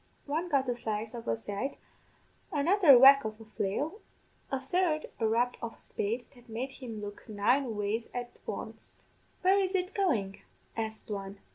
One got a slice of a scythe, another a whack of a flail, a third a rap of a spade that made him look nine ways at wanst. "'Where is it goin'?' asked one.